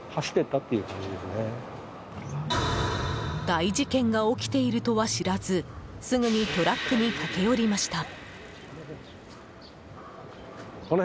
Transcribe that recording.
大事件が起きているとは知らずすぐにトラックに駆け寄りました。